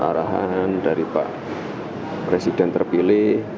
arahan dari pak presiden terpilih